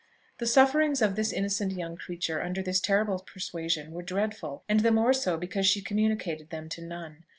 The sufferings of this innocent young creature under this terrible persuasion were dreadful, and the more so because she communicated them to none.